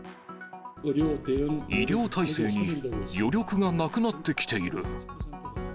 医療体制に余力がなくなってきている。